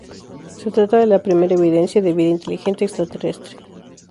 Se trata de la primera evidencia de vida inteligente extraterrestre.